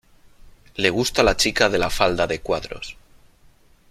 Le gusta la chica de la falda de cuadros.